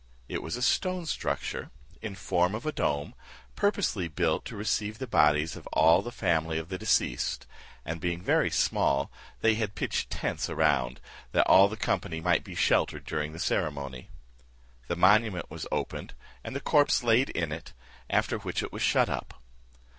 It was a stone structure, in form of a dome, purposely built to receive the bodies of all the family of the deceased, and being very small, they had pitched tents around, that all the company might be sheltered during the ceremony. The monument was opened, and the corpse laid in it, after which it was shut up.